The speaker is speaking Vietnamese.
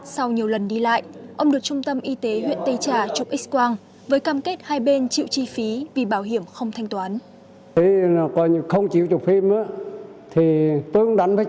sau nhiều lần đi lại ông được trung tâm y tế huyện tây trà trục x quang với cam kết hai bên chịu chi phí vì bảo hiểm không thanh toán